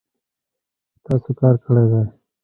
تاسو کار کړی دی